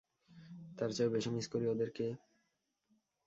তার চেয়েও বেশি মিস করি ওদেরকে।